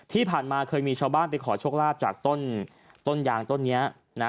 ที่ผ่านมาเคยมีชาวบ้านไปขอโชคลาภจากต้นต้นยางต้นนี้นะ